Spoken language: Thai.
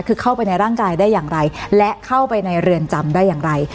คือเข้าไปในร่างกายได้อย่างไรและเข้าไปในเรือนจำได้อย่างไร